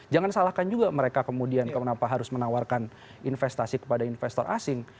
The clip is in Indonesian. jangan salahkan juga mereka kemudian kenapa harus menawarkan investasi kepada investor asing